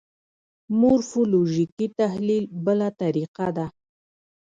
مورفولوژیکي تحلیل بله طریقه ده.